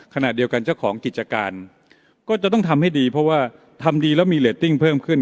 ขณะเดียวกันเจ้าของกิจการก็จะต้องทำให้ดีเพราะว่าทำดีแล้วมีเรตติ้งเพิ่มขึ้น